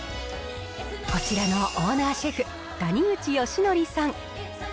こちらのオーナーシェフ、谷口佳典さん。